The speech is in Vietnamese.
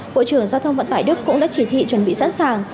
bộ trưởng giao thông vận tải đức cũng đã chỉ thị chuẩn bị sẵn sàng